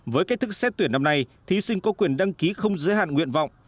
với cách thức xét tuyển năm nay thí sinh có quyền đăng ký không giới hạn nguyện vọng